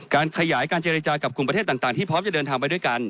การขยายการเจรจากับกลุ่มประเทศต่างที่พร้อมจะเดินทางไปด้วยกัน